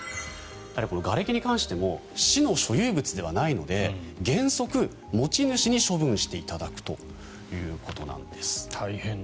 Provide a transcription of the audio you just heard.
がれきに関しても市の所有物ではないので原則持ち主に処分していただくということなんです。